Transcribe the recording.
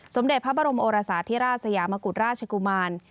สมเด็จพระบรมโอรสาธิราชสยามกุฎราชกุมาร